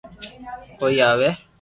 ڪوئي آوي